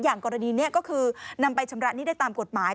อย่างกรณีนี้ก็คือนำไปชำระหนี้ได้ตามกฎหมาย